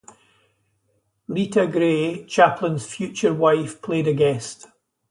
Lita Grey, Chaplin's future wife, played a guest.